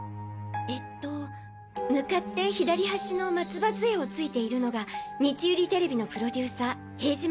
えっと向かって左端の松葉杖をついているのが日売ＴＶのプロデューサー塀島